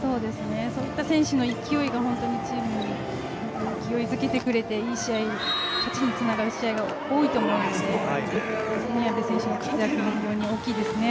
そういった選手の勢いが本当にチームを勢いづけてくれていい試合、勝ちにつながる試合が多いと思うので宮部選手の活躍も非常に大きいですね。